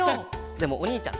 でもおにいちゃんとね。